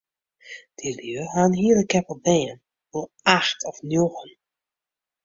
Dy lju ha in hiele keppel bern, wol acht of njoggen.